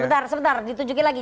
sebentar sebentar ditunjukin lagi